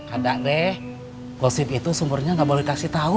ada deh gosip itu sumbernya nggak boleh kasih tahu